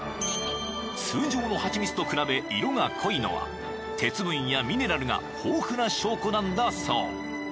［通常のハチミツと比べ色が濃いのは鉄分やミネラルが豊富な証拠なんだそう］